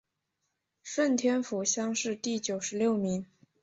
顺天府乡试第九十六名。